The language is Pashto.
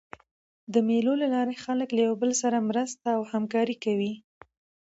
د مېلو له لاري خلک له یو بل سره مرسته او همکاري کوي.